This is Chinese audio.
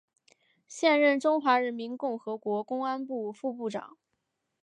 现任中华人民共和国公安部副部长。